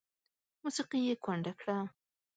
موسیقي یې کونډه کړه